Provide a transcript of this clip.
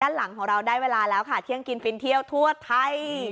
หลังของเราได้เวลาแล้วค่ะเที่ยงกินฟินเที่ยวทั่วไทย